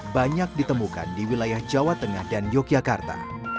banyak ditemukan di wilayah jawa tengah dan yogyakarta